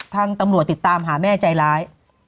ทางตำรวจติดตามหาแม่ใจร้าย